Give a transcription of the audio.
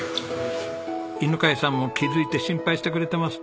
犬飼さんも気づいて心配してくれてます。